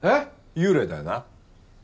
幽霊だよな？